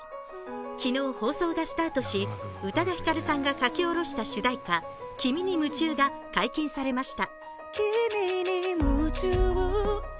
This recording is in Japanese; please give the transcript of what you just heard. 昨日放送がスタートし宇多田ヒカルさんが書き下ろした主題歌「君に夢中」が解禁されました。